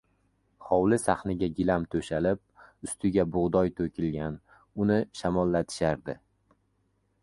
Hovli sahniga gilam to‘shalib, ustiga bug‘doy to‘kilgan — uni shamollatishardi…